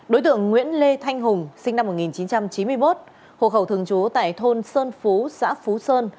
đối tượng nguyễn lê thanh hùng sinh năm một nghìn chín trăm chín mươi một hộ khẩu thường trú tại thôn sơn phú xã phú sơn